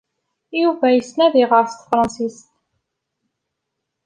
Yuba yessen ad iɣer s tefṛensist.